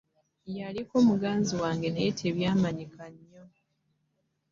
Yaliko muganzi wange naye tebyamanyika nnyo.